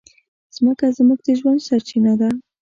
مځکه زموږ د ژوند سرچینه ده.